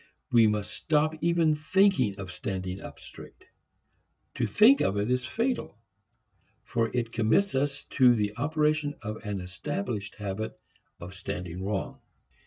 We must stop even thinking of standing up straight. To think of it is fatal, for it commits us to the operation of an established habit of standing wrong.